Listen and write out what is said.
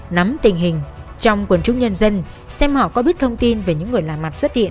nắm tình hình trong quần chúng nhân dân xem họ có biết thông tin về những người làm mặt xuất hiện